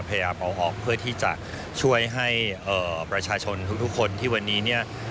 พยายามเปาก็ที่จะช่วยให้บริชาชนทุกคนที่